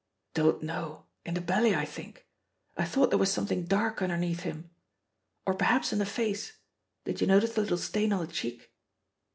"Don't know; in the belly, I think; I thought there was something dark underneath him. Or perhaps in the face did you notice the little stain on the cheek?"